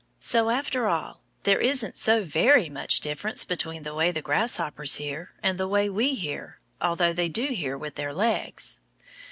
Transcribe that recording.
So, after all, there isn't so very much difference between the way the grasshoppers hear, and the way we hear, although they do hear with their legs.